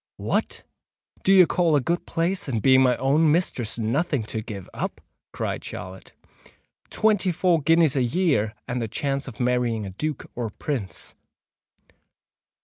"What! do you call a good place and being my own mistress, nothing to give up?" cried Charlotte. "Twenty four guineas a year, and the chance of marrying a Duke or a Prince!"